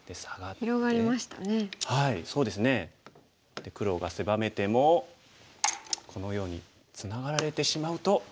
で黒が狭めてもこのようにツナがられてしまうと。